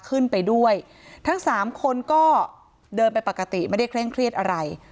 ขึ้นไปด้วยทั้งสามคนก็เดินไปปกติไม่ได้เคร่งเครียดอะไร